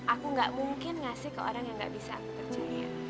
aku gak mungkin ngasih ke orang yang gak bisa bekerja